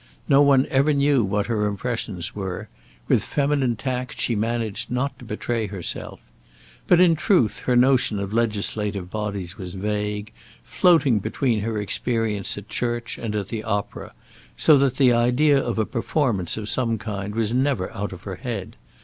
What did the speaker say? No one ever knew what her impressions were; with feminine tact she managed not to betray herself But, in truth, her notion of legislative bodies was vague, floating between her experience at church and at the opera, so that the idea of a performance of some kind was never out of her head.